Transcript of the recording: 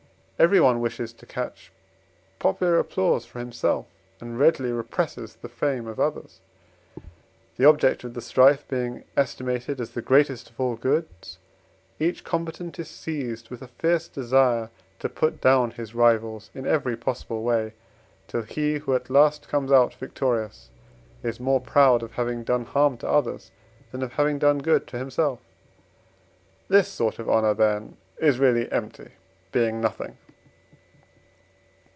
Everyone wishes to catch popular applause for himself, and readily represses the fame of others. The object of the strife being estimated as the greatest of all goods, each combatant is seized with a fierce desire to put down his rivals in every possible way, till he who at last comes out victorious is more proud of having done harm to others than of having done good to himself. This sort of honour, then, is really empty, being nothing.